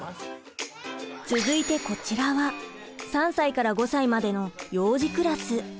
続いてこちらは３歳から５歳までの幼児クラス。